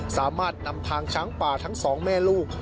สามารถนำทางช้างป่าทั้งสองแม่ลูก